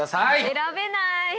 選べない。